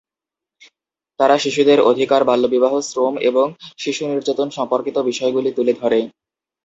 তারা শিশুদের অধিকার, বাল্যবিবাহ, শ্রম এবং শিশু নির্যাতন সম্পর্কিত বিষয়গুলি তুলে ধরে।